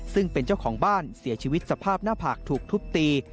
ซึ่งเป็นเจ้าของบ้านเสียชีวิตสภาพหน้าผากถูกทุบตี